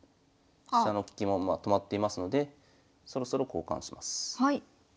飛車の利きも止まっていますのでそろそろ交換します。